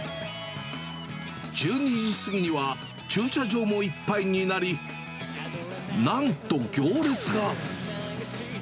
１２時過ぎには、駐車場もいっぱいになり、なんと行列が。